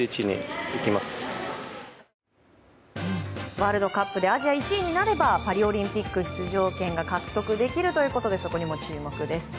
ワールドカップでアジア１位になればパリオリンピック出場権が獲得できるということでそこにも注目です。